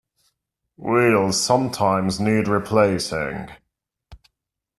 Wheels sometimes need replacing.